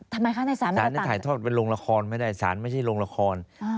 ทำไมคะในศาลนั้นถ่ายทอดไม่ได้ศาลนั้นถ่ายทอดเป็นโรงละครไม่ได้ศาลนั้นไม่ใช่โรงละคร